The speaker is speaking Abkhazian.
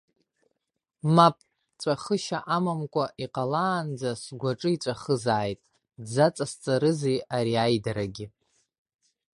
Мап, ҵәахышьа амамкәа иҟалаанӡа сгәаҿы иҵәахызааит, дзаҵасҵарызеи ари аидарагьы!